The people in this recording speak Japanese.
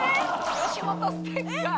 吉本ステッカー。